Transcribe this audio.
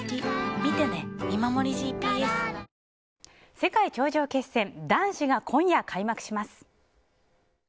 世界頂上決戦男子が今夜、開幕します。